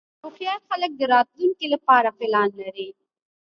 هوښیار خلک د راتلونکې لپاره پلان لري.